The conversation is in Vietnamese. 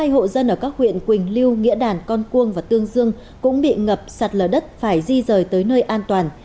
hai mươi hộ dân ở các huyện quỳnh lưu nghĩa đàn con cuông và tương dương cũng bị ngập sạt lở đất phải di rời tới nơi an toàn